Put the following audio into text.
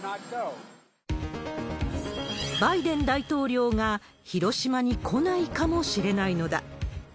バイデン大統領が広島に来ないかもしれないのだ。